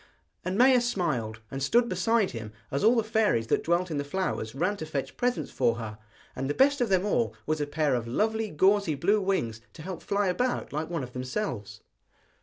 And Maia smiled, and stood beside him as all the fairies that dwelt in the flowers ran to fetch presents for her; and the best of them all was a pair of lovely gauzy blue wings to help fly about like one of themselves.